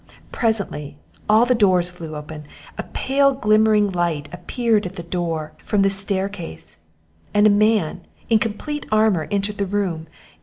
Presently, all the doors flew open, a pale glimmering light appeared at the door, from the staircase, and a man in complete armour entered the room.